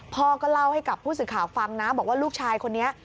พ่อก็เล่าให้กับผู้สื่อข่าวฟังนะบอกว่าลูกชายคนนี้